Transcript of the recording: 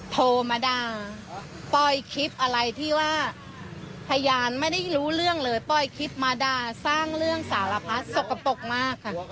โทรมาด่าปล่อยคลิปอะไรที่ว่าพยานไม่ได้รู้เรื่องเลยปล่อยคลิปมาด่าสร้างเรื่องสารพัดสกปรกมากค่ะ